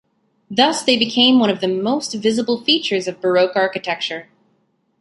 Thus they became one of the most visible features of Baroque architecture.